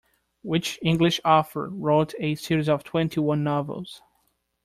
Which English author wrote a series of twenty-one novels?